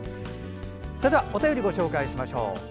それではお便りをご紹介しましょう。